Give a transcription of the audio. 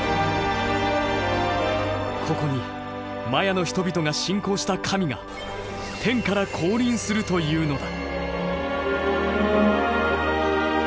ここにマヤの人々が信仰した神が天から降臨するというのだ。